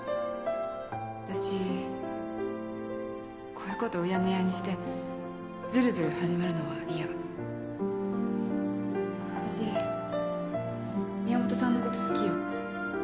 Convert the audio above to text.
わたしこういうことうやむやにしてずるずる始まるのは嫌わたし宮本さんのこと好きよ。